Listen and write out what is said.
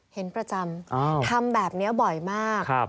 เห็นประจำอ้าวทำแบบเนี้ยบ่อยมากครับ